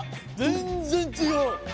全然違う。